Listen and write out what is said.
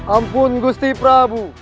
ampun gusti prabu